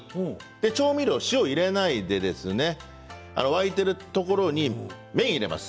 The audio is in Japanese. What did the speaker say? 調味料、塩を入れないで沸いているところに麺入れます。